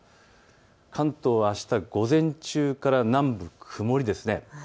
関東はあした午前中から南部、曇りです。